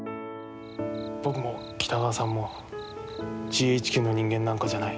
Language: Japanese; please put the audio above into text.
僕も北川さんもＧＨＱの人間なんかじゃない。